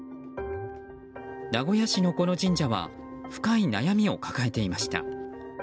名古屋市のこの神社は深い悩みを抱えていました。